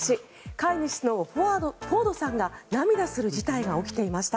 飼い主のフォードさんが涙する事態が起きていました。